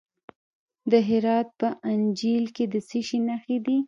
د هرات په انجیل کې د څه شي نښې دي؟